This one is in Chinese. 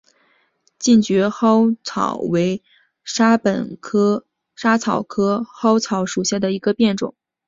近蕨嵩草为莎草科嵩草属下的一个变种。